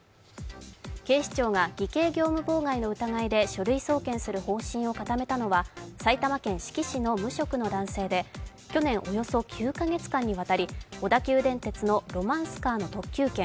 警視庁が偽計業務妨害の疑いで書類送検する方針を固めたのは埼玉県志木市の無職の男性で去年およそ９カ月間にわたり小田急電鉄のロマンスカーの特急券